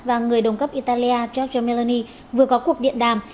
và người đồng cấp italia giorgir meloni vừa có cuộc điện đàm